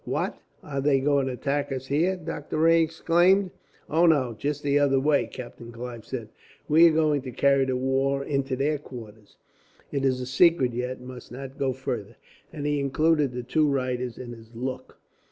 "What! Are they going to attack us here?" Doctor Rae exclaimed. "Oh no, just the other way," Captain Clive said. "We are going to carry the war into their quarters. It is a secret yet, and must not go farther." And he included the two writers in his look.